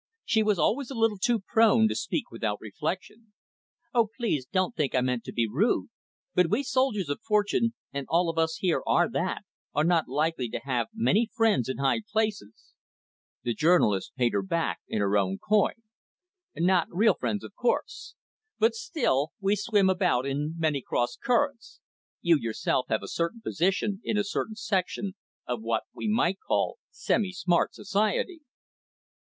She was always a little too prone to speak without reflection. "Oh please don't think I meant to be rude. But we soldiers of fortune, and all of us here are that, are not likely to have many friends in high places." The journalist paid her back in her own coin. "Not real friends, of course. But still, we swim about in many cross currents. You yourself have a certain position in a certain section of what we might call semi smart society."